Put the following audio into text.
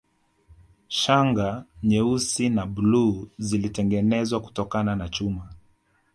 Shanga nyeusi na bluu zilitengenezwa kutokana na chuma